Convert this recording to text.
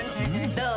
どう？